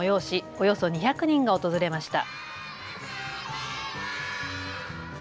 およそ２００人が訪れました。